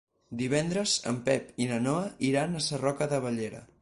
Divendres en Pep i na Noa iran a Sarroca de Bellera.